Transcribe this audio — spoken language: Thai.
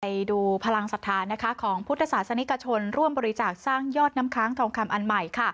ไปดูพลังสถานของพุทธศาสนิกชนร่วมบริจาคสร้างยอดน้ำค้างทองคำอันใหม่